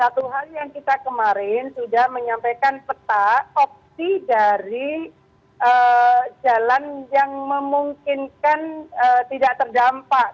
satu hal yang kita kemarin sudah menyampaikan peta opsi dari jalan yang memungkinkan tidak terdampak